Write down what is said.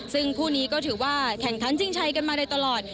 ซึ่งคู่นี้ก็ถือว่าแข่งขันชิงชัยกันมาโดยตลอด